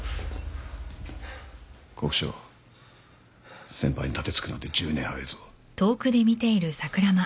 国生先輩に盾突くなんて１０年早えぞ。